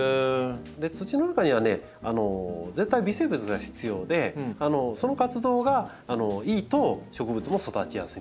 土の中にはね絶対微生物が必要でその活動がいいと植物も育ちやすいんですね。